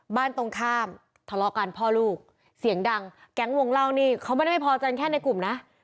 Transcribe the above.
ตรงข้ามทะเลาะกันพ่อลูกเสียงดังแก๊งวงเล่านี่เขาไม่ได้ไม่พอใจแค่ในกลุ่มนะ